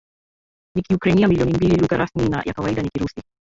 na Kiukraina milioni mbili Lugha rasmi na ya kawaida ni Kirusi